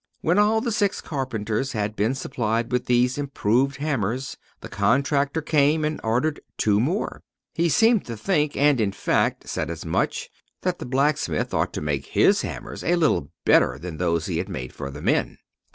When all the six carpenters had been supplied with these improved hammers, the contractor came and ordered two more. He seemed to think, and, in fact, said as much, that the blacksmith ought to make his hammers a little better than those he had made for the men.